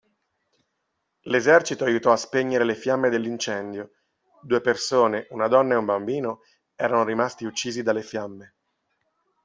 L'esercito aiutò a spegnere le fiamme dell'incendio: due persone, una donna e un bambino, erano rimasti uccisi dalle fiamme.